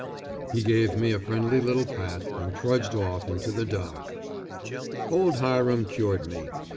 He gave me a friendly little pat, and trudged off into the dark. Old Hiram cured me.